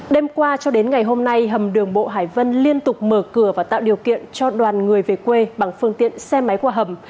đêm qua cho đến ngày hôm nay hầm đường bộ hải vân liên tục mở cửa và tạo điều kiện cho đoàn người về quê bằng phương tiện xe máy qua hầm